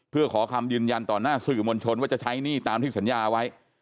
เพื่อขอคำยืนยันต่อหน้าสื่อมวลชนว่าจะใช้หนี้ตามที่สัญญาไว้